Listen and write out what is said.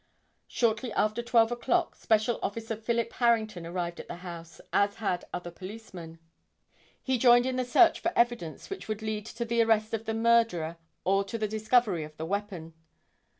Shortly after 12 o'clock special officer Philip Harrington arrived at the house, as had other policemen. He joined in the search for evidence which would lead to the arrest of the murderer or to the discovery of the weapon.